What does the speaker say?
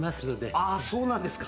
あっそうなんですか。